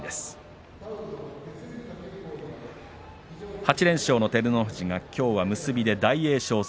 ８連勝の照ノ富士がきょうは結びで大栄翔戦。